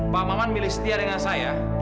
pak maman milih setia dengan saya